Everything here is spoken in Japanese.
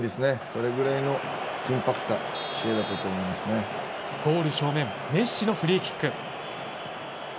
そのぐらいの緊迫したゴール正面メッシのフリーキック。